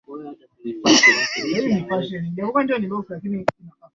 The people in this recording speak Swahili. mimi mwenyewe nilifugwa nilitaka kupigwa